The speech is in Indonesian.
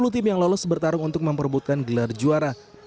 sepuluh tim yang lolos bertarung untuk memperbutkan gelar juara